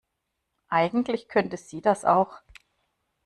Eigentlich könnte sie das auch.